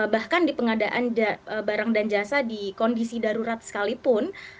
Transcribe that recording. bahkan di pengadaan barang dan jasa di kondisi darurat sekalipun